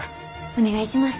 お願いします。